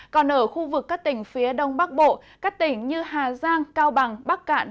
còn ở khu vực các tỉnh phía đông bắc bộ các tỉnh như hà giang cao bằng bắc cạn